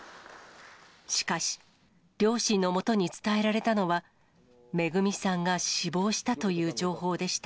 しかし、両親のもとに伝えられたのは、めぐみさんが死亡したという情報でした。